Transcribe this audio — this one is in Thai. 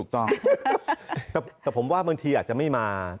แต่ผมว่าเมืองทีอาจจะไม่มา